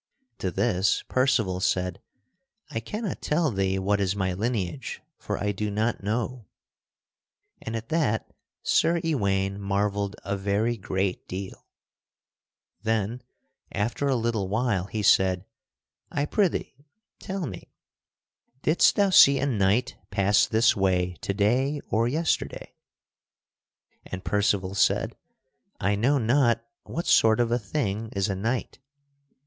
To this Percival said, "I cannot tell thee what is my lineage, for I do not know," and at that Sir Ewaine marvelled a very great deal. Then, after a little while, he said: "I prithee tell me, didst thou see a knight pass this way to day or yesterday?" And Percival said, "I know not what sort of a thing is a knight."